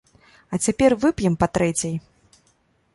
А цяпер вып'ем па трэцяй!